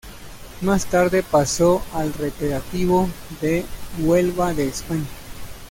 Más tarde pasó al Recreativo de Huelva de España.